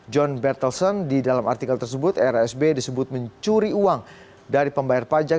john bertelson di dalam artikel tersebut rsb disebut mencuri uang dari pembayar pajak